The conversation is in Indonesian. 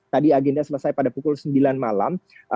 tadi agenda selesai pada pukul sembilan malam